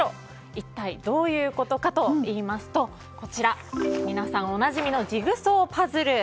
一体どういうことかといいますとこちらは皆さん、おなじみのジグソーパズル。